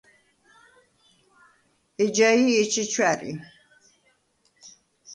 ეჯაი̄ ეჩეჩუ ა̈რი.